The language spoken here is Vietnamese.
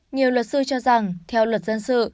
nhiều luật sư cho rằng theo luật dân sự